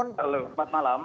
halo selamat malam